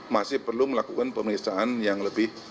masih perlu melakukan pemeriksaan yang lebih